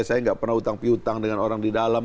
saya nggak pernah utang piutang dengan orang di dalam